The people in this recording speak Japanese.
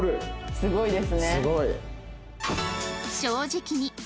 すごいです。